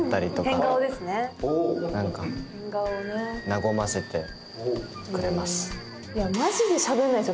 和ませてくれます。